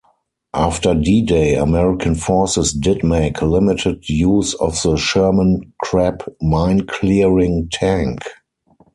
After D-Day, American forces did make limited use of the Sherman Crab mine-clearing tank.